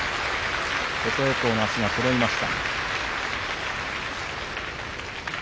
琴恵光の足がそろいました。